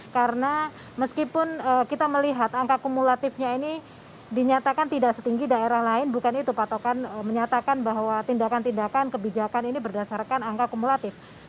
karena meskipun kita melihat angka kumulatifnya ini dinyatakan tidak setinggi daerah lain bukan itu patokan menyatakan bahwa tindakan tindakan kebijakan ini berdasarkan angka kumulatifnya